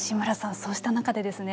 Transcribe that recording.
そうした中でですね